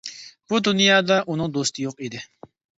بۇ دۇنيادا ئۇنىڭ دوستى يوق ئىدى.